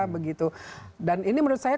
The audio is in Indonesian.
begitu dan ini menurut saya